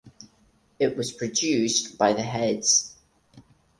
It was produced by the Heads.